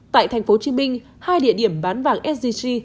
tại tp hcm hai địa điểm bán vàng sgc